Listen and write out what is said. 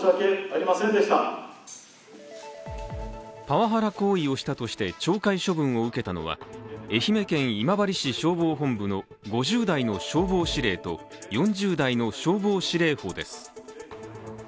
パワハラ行為をしたとして懲戒処分を受けたのは愛媛県今治市消防本部の５０代の消防司令と４０代の消防司令補です。